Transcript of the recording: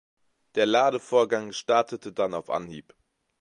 Der Ladevorgang startete dann auf Anhieb.